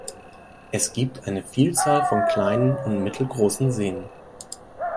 Es gibt eine Vielzahl von kleinen und mittelgroßen Seen.